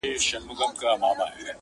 هره شېبه درس د قربانۍ لري-